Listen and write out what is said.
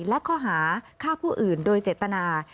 และข้อหาฆ่าผู้อื่นโดยเจตนา